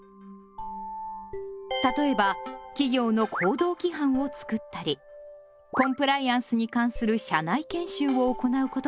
例えば企業の行動規範をつくったりコンプライアンスに関する社内研修を行うことなどがあります。